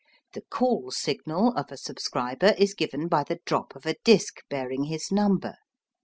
The call signal of a subscriber is given by the drop of a disc bearing his number.